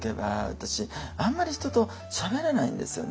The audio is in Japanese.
私あんまり人としゃべれないんですよね。